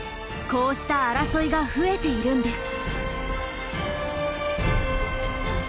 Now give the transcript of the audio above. こうした争いが増えているんです。